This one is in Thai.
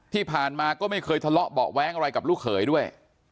ที่ผ่านมาก็ไม่เคยทะเลาะเบาะแว้งอะไรกับลูกเขยด้วย